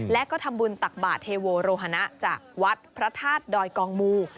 และก็ทำบุญตักบาทเทโวโรหนะจากวัดพระธาตุดอยกองมู